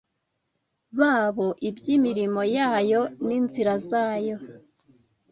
babo iby’imirimo ya Yo n’inzira zayo.